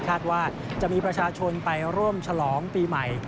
คาดว่าจะมีประชาชนไปร่วมฉลองปีใหม่